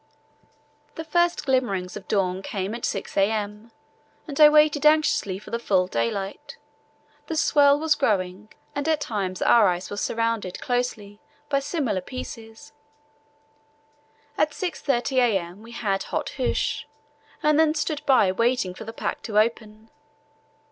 The first glimmerings of dawn came at 6 a.m., and I waited anxiously for the full daylight. The swell was growing, and at times our ice was surrounded closely by similar pieces. At 6.30 a.m. we had hot hoosh, and then stood by waiting for the pack to open.